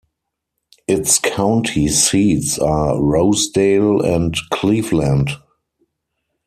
Its county seats are Rosedale and Cleveland.